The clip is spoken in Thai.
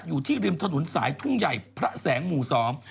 อยู่ที่ริมถนนสายทุ่งใหญ่พระแสงหมู่สอง